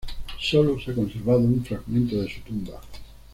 Sólo se ha conservado un fragmento de su tumba.